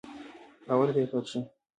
پۀ اوله طريقه کښې